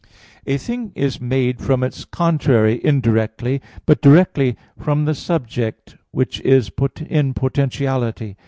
2: A thing is made from its contrary indirectly (Phys. i, text 43), but directly from the subject which is in potentiality.